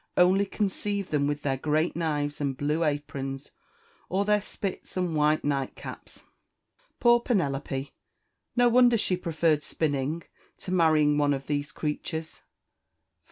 only conceive them with their great knives and blue aprons, or their spits and white nightcaps! Poor Penelope! no wonder she preferred spinning to marrying one of these creatures!